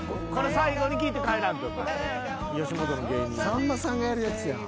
さんまさんがやるやつやん。